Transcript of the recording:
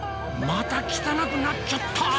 また汚くなっちゃった！